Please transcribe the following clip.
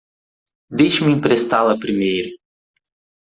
Deixe-me emprestá-la primeiro.